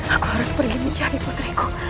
aku harus pergi mencari putriku